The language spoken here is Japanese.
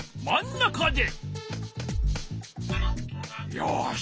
よし！